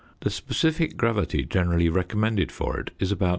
The specific gravity generally recommended for it is about 1.